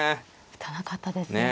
打たなかったですね。